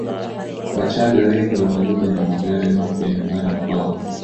wachaga wengi wanarudi na magari mapya nyumbani kwao